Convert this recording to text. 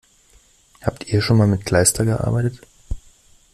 Habt ihr schon mal mit Kleister gearbeitet?